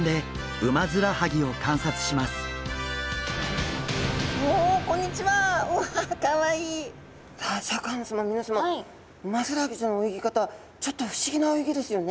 ウマヅラハギちゃんの泳ぎ方ちょっと不思議な泳ぎですよね。